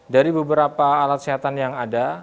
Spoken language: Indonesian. dari beberapa alat kesehatan yang ada